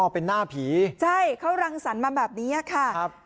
เป็นหน้าผีใช่เขารังสรรค์มาแบบนี้ค่ะครับ